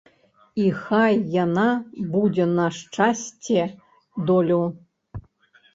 І хай яна будзе на шчасце-долю.